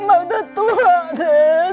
emak datu pak dede